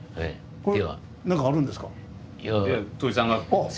これ何かあるんですか？